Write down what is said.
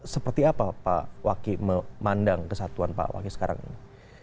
seperti apa pak waki memandang kesatuan pak wakil sekarang ini